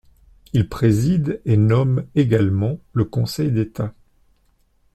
Il préside et nomme également le Conseil d'État.